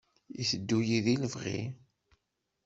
Iteddu-yi deg lebɣi.